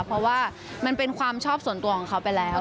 เพราะว่ามันเป็นความชอบส่วนตัวของเขาไปแล้ว